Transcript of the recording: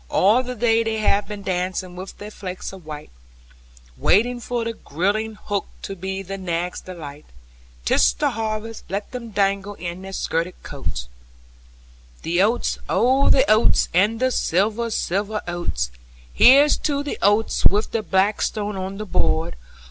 All the day they have been dancing with their flakes of white, Waiting for the girding hook, to be the nags' delight: 'Tis the harvest, let them dangle in their skirted coats. (Chorus) The oats, oh the oats, and the silver, silver oats! Here's to the oats with the blackstone on the board!